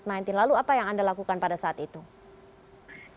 ibu endah bisa diceritakan saat anda pertama kali diketahui terpapar covid sembilan belas